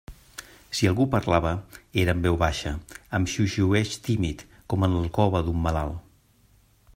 Si algú parlava, era en veu baixa, amb xiuxiueig tímid, com en l'alcova d'un malalt.